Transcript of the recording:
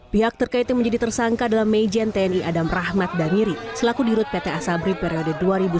pihak terkait yang menjadi tersangka adalah meijen tni adam rahmat damiri selaku dirut pt asabri periode dua ribu sebelas dua ribu enam belas